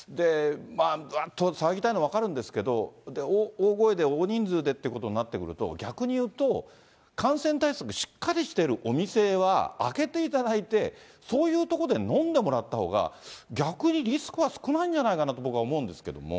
わっと騒ぎたいのは分かるんですけど、大声で大人数でってことになってくると、逆に言うと、感染対策しっかりしてるお店は開けていただいて、そういう所で飲んでもらったほうが、逆にリスクは少ないんじゃないかなと僕は思うんですけども。